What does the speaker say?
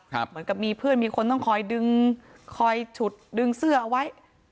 เหมือนกับมีเพื่อนมีคนต้องคอยดึงคอยฉุดดึงเสื้อเอาไว้